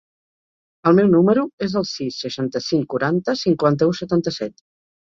El meu número es el sis, seixanta-cinc, quaranta, cinquanta-u, setanta-set.